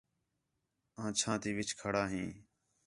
آں چھاں تی وِچ کھڑا ہیں